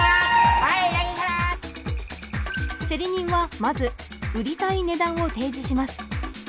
競り人はまず売りたい値段を提示します。